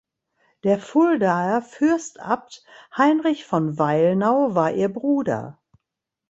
Der Fuldaer Fürstabt Heinrich von Weilnau war ihr Bruder.